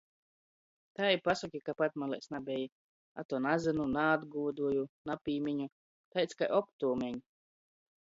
Tai i pasoki, ka patmalēs nabeji. A to - nazynu, naatguodoju, napīmiņu. Taids kai optuomeņ!